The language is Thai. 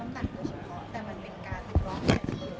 ได้ไปเจป่านมาถ้าไม่ได้อย่างงี้